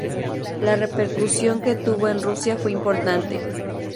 La repercusión que tuvo en Rusia fue importante.